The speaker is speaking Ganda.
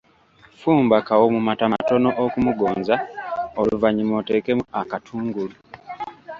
Fumba kawo mu mata matono okumugonza oluvannyuma oteekemu akatungulu.